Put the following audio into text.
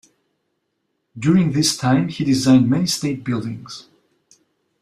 During this time, he designed many state buildings.